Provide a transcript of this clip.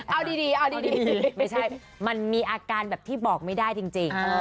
เอาดีไม่ใช่มันมีอาการแบบบอกไม่ได้จริง